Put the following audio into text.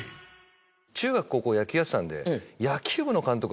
中学高校野球やってたんで。